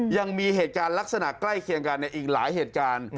ยังมีเหตุการณ์ลักษณะใกล้เคียงกันในอีกหลายเหตุการณ์